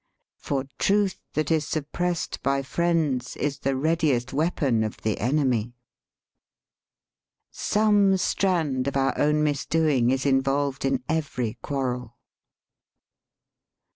" For truth that is suppressed by friends is the readiest weapon of the enemy." "Some strand of our own misdoing is involved in every quarrel."